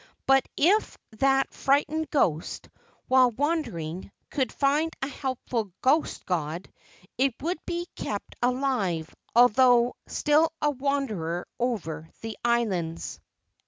But if that frightened ghost, while wandering, could find a helpful ghost god, it would be kept alive, although still a wanderer over the islands.